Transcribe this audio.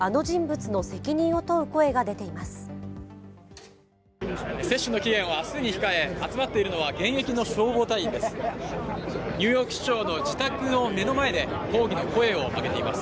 接種の期限を明日に控え集まっているのは現役の消防隊員です。